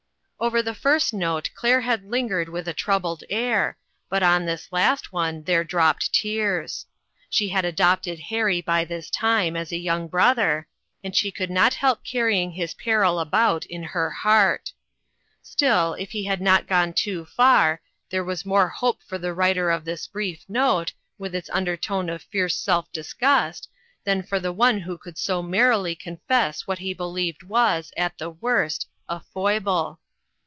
Over the first note Claire had lingered with a troubled air, but on this last one there dropped tears. She had adopted Harry by this time as a young brother, and she could not help carrying his peril about in her heart. Still, if he had not gone too far, there was more hope for the writer of this brief note, with its undertone of fierce self disgust, than for the one who could so merrily con fess what he believed was, at the worst, a foible.